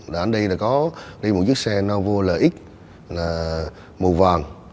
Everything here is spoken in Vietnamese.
đã đi là có một chiếc xe novo lx màu vàng